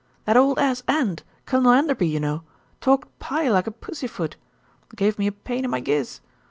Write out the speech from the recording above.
"That old ass End, Colonel Enderby, you know, talked 'pie' like a pussyfoot. Gave me a pain in my giz.